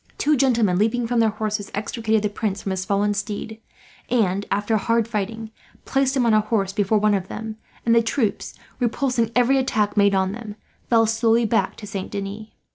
Two gentlemen, leaping from their horses, extricated the Prince from his fallen steed and, after hard fighting, placed him on a horse before one of them; and the troops, repulsing every attack made on them, fell slowly back to Saint Denis.